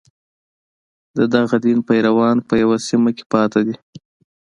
د دغه دین پیروان په یوه سیمه کې پاتې دي.